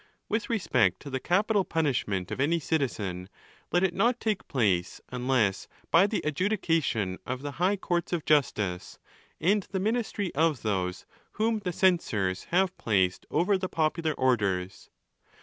With respect to the capital punishment of any citizen, let it not take place, unless by the adjudication of the high courts of justice, and the ministry of those whom the censors have placed over the _ popular orders.